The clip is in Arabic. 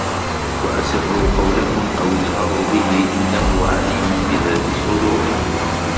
وَأَسِرّوا قَولَكُم أَوِ اجهَروا بِهِ إِنَّهُ عَليمٌ بِذاتِ الصُّدورِ